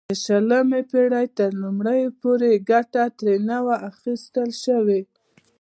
د شلمې پېړۍ تر لومړیو پورې ګټه ترې نه وه اخیستل شوې.